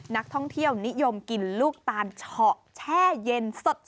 นักท่องเที่ยวนิยมกินลูกตาลเฉาะแช่เย็นสด